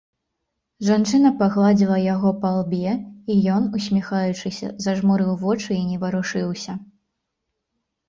Жанчына пагладзіла яго па лбе, і ён, усміхаючыся, зажмурыў вочы і не варушыўся.